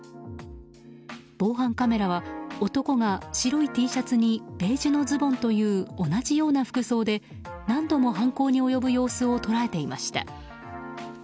防犯カメラは男が白いＴシャツにベージュのズボンという同じような服装で何度も犯行に及ぶ様子を捉えていました。